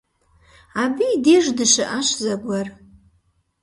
Абы и деж дыщыӏащ зэгуэр.